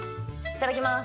いただきます。